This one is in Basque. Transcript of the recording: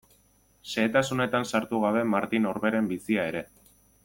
Xehetasunetan sartu gabe Martin Orberen bizia ere.